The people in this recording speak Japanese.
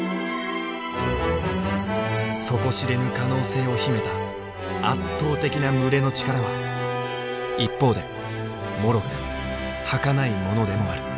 底知れぬ可能性を秘めた圧倒的な群れの力は一方で脆く儚いものでもある。